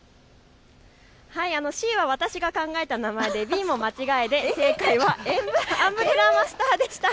Ｃは私が考えた名前でＢも間違いで正解はアンブレラマスターでした。